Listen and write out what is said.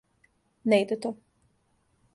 Не иде то.